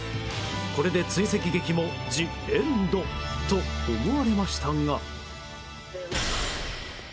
これで追跡劇もジ・エンドと思われましたが。